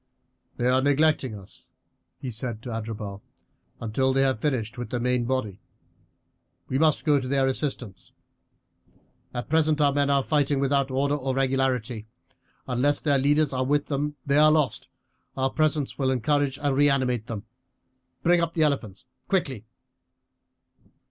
"They are neglecting us," he said to Adherbal, "until they have finished with the main body; we must go to their assistance. At present our men are fighting without order or regularity. Unless their leaders are with them they are lost, our presence will encourage and reanimate them. Bring up the elephants quickly."